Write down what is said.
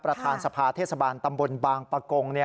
ประธานสภาเทศบาลตำบลบางปะกง